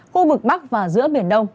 khu vực bắc và giữa biển đông